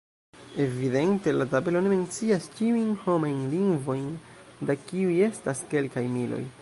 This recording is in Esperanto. Evidente la tabelo ne mencias ĉiujn homajn lingvojn, da kiuj estas kelkaj miloj.